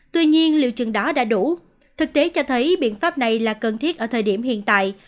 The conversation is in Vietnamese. tuy nhiên liệu chừng đó đã đủ thực tế cho thấy biện pháp này là cần thiết ở thời điểm hiện tại